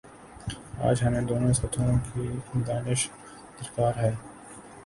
آج ہمیںدونوں سطحوں کی دانش درکار ہے